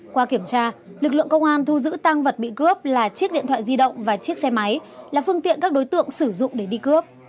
qua kiểm tra lực lượng công an thu giữ tăng vật bị cướp là chiếc điện thoại di động và chiếc xe máy là phương tiện các đối tượng sử dụng để đi cướp